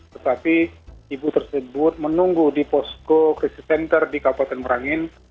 tetapi ibu tersebut menunggu di posko krisis center di kabupaten merangin